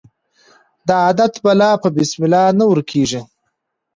د عادت بلا په بسم الله نه ورکیږي.